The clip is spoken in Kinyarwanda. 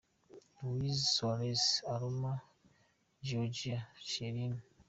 Luis Suarez aruma Giorgio Chiellini.